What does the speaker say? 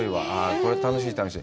これ楽しい楽しい。